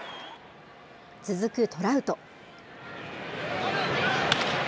続くトラウト。